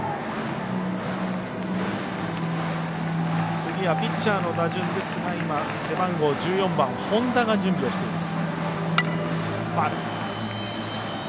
次はピッチャーの打順ですが背番号１４番の本多が準備をしています。